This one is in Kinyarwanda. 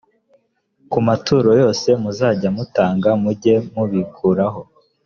ku maturo yose muzajya mutanga mujye mubikuraho